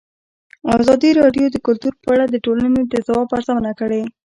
ازادي راډیو د کلتور په اړه د ټولنې د ځواب ارزونه کړې.